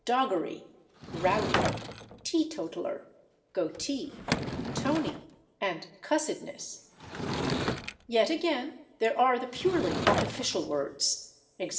/doggery/, /rowdy/, /teetotaler/, /goatee/, /tony/ and /cussedness/. Yet again, there are the purely artificial words, /e. g.